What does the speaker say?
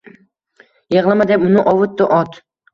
Yigʻlama, deb uni ovutdi ot